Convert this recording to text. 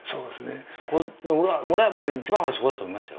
俺は一番はそこだと思いますよ。